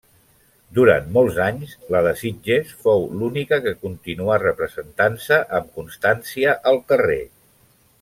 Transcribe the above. Durant molts anys, la de Sitges fou l’única que continuà representant-se amb constància al carrer.